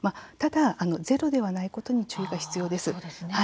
ただ、ゼロではないことに注意が必要です。